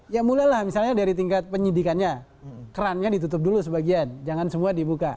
ya mulailah misalnya dari tingkat penyidikannya kerannya ditutup dulu sebagian jangan semua dibuka